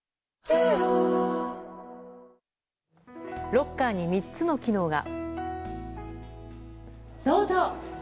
ロッカーに３つの機能が。